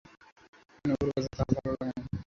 হারানবাবুর কাছে তাহা ভালো লাগে নাই।